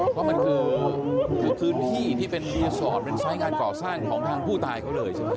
เพราะมันคือพื้นที่ที่เป็นรีสอร์ทเป็นไซส์งานก่อสร้างของทางผู้ตายเขาเลยใช่ไหม